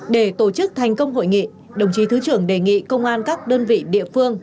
để tổ chức thành công hội nghị đồng chí thứ trưởng đề nghị công an các đơn vị địa phương